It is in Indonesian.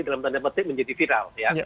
dalam tanda petik menjadi viral ya